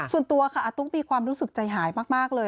ส่วนตัวค่ะอาตุ๊กมีความรู้สึกใจหายมากเลย